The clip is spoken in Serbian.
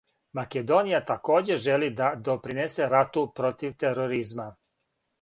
Македонија такође жели да допринесе рату против тероризма.